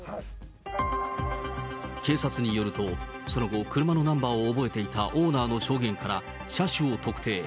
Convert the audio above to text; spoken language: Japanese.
警察によると、その後、車のナンバーを覚えていたオーナーの証言から、車種を特定。